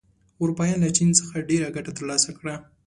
اروپایان له چین څخه ډېره ګټه تر لاسه کړه.